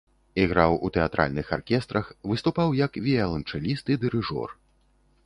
Іграў у тэатральных аркестрах, выступаў як віяланчэліст і дырыжор.